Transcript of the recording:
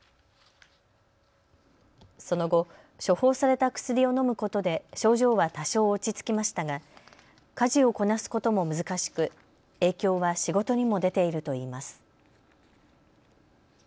その後、処方された薬を飲むことで症状は多少落ち着きましたが家事をこなすことも難しく、影響は仕事にも出ているといいます。